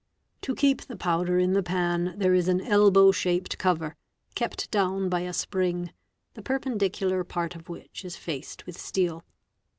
To keep the powder in the pan there is an elbow shaped cover, kept down by a spring, the perpendicular part of which is faced with steel.